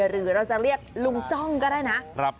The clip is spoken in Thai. หรือเราจะเรียกลุงจ้องก็ได้นะ